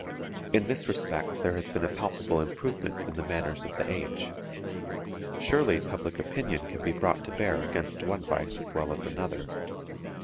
In this respect there has been a palpable improvement in the manners of the age. Surely public opinion can be brought to bear against one vice as well as another.